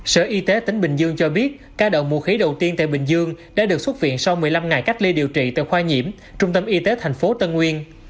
sở y tế tỉnh bình dương cho biết ca đậu mũ khí đầu tiên tại bình dương đã được xuất viện sau một mươi năm ngày cách ly điều trị tại khoa nhiễm trung tâm y tế thành phố tân nguyên